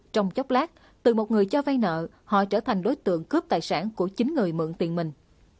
trong chốc lát từ một người cho vay nợ họ trở thành đối tượng cướp tài sản của chính người mượn tiền mình